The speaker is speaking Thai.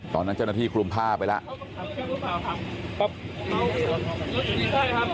ตอนนั้นเจ้าหน้าที่คลุมผ้าไปแล้ว